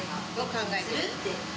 考えてる？